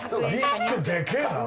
リスクでけえな！